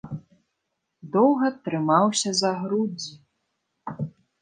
Доўга трымаўся за грудзі.